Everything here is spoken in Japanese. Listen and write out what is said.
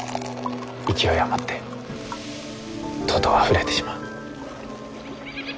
勢い余ってとうとうあふれてしまう。